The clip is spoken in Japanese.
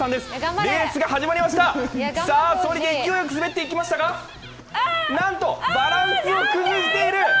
レースが始まりましたそりで勢いよく滑っていきましたが、なんとバランスを崩している！